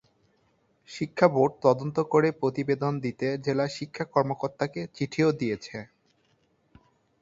শিক্ষা বোর্ড তদন্ত করে প্রতিবেদন দিতে জেলা শিক্ষা কর্মকর্তাকে চিঠিও দিয়েছে।